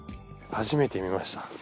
初めて見ました。